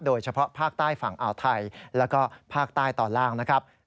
โดยเฉพาะภาคใต้ฝั่งอ่าวไทยแล้วก็ภาคใต้ตอนล่างนะครับ